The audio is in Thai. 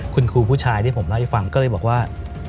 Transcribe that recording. คุณครูผู้ชายที่ผมเล่าให้ฟังก็เลยบอกว่า